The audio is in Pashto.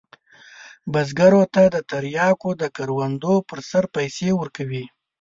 بزګرو ته د تریاکو د کروندو پر سر پیسې ورکوي.